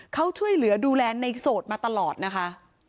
เขาช่วยเหลือดูแลในโสดมาตลอดนะคะ